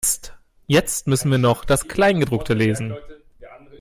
Jetzt müssen wir noch das Kleingedruckte lesen.